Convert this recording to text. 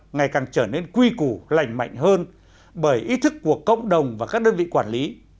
ngày càng trở nên quy củ lành mạnh hơn bởi ý thức của cộng đồng và các đơn vị quản lý